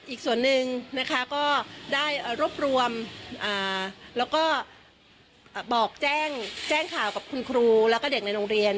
อีกส่วนหนึ่งนะคะก็ได้รวบรวมแล้วก็บอกแจ้งข่าวกับคุณครูแล้วก็เด็กในโรงเรียน